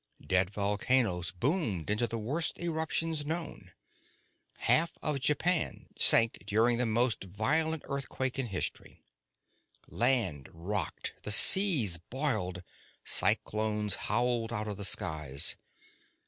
Dead volcanoes boomed into the worst eruptions known. Half of Japan sank during the most violent earthquake in history. Land rocked, the seas boiled, cyclones howled out of the skies.